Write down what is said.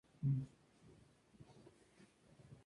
La lucha ha terminado.